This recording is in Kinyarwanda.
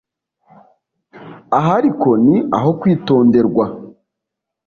Aha ariko ni aho kwitonderwa,